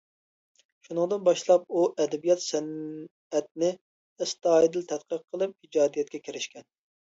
شۇنىڭدىن باشلاپ، ئۇ ئەدەبىيات-سەنئەتنى ئەستايىدىل تەتقىق قىلىپ، ئىجادىيەتكە كىرىشكەن.